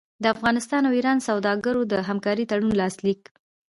د افغانستان او ایران سوداګرو د همکارۍ تړون لاسلیک